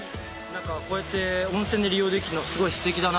こうやって温泉で利用できるのはすごいすてきだなと思う。